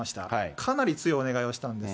かなり強いお願いをしたんです。